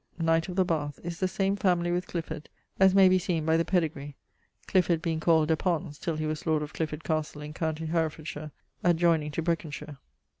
knight of the Bath, is the same family with Clifford (as may be seen by the pedegree), Clifford being called de Pons till he was lord of Clifford Castle in com. Hereff. adjoyning to Breconshire.